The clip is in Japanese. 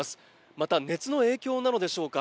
また熱の影響なのでしょうか